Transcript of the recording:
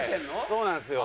そうなんですよ。